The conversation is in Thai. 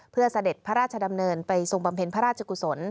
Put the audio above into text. เพื่อเสด็จพระราชดำเนินไปทรงบำเพ็ญพระราชกุศล